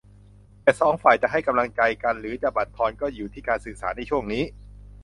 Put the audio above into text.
แต่สองฝ่ายจะให้กำลังใจกันหรือจะบั่นทอนก็อยู่ที่การสื่อสารในช่วงนี้